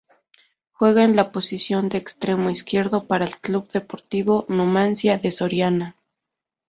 Juega en la posición de extremo izquierdo para el Club Deportivo Numancia de Soria.